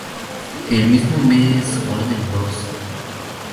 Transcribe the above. En el mismo mes, Warner Bros.